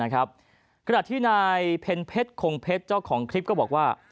ขณะที่นายเพ็ญเพชรคงเพชรเจ้าของคลิปก็บอกว่า